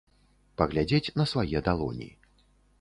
Паглядзець на свае далоні.